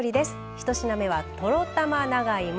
１品目はトロたま長芋。